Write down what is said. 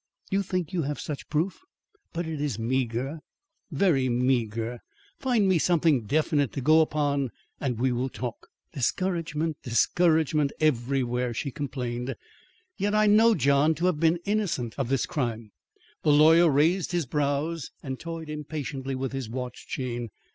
You think you have such proof, but it is meagre, very meagre. Find me something definite to go upon and we will talk." "Discouragement; discouragement everywhere," she complained. "Yet I know John to have been innocent of this crime." The lawyer raised his brows, and toyed impatiently with his watch chain.